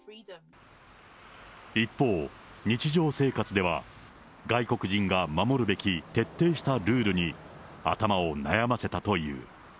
一方、日常生活では外国人が守るべき徹底したルールに、頭を悩ませたという。